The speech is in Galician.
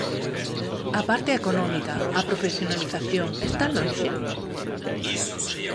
A parte económica, a profesionalización, está lonxe?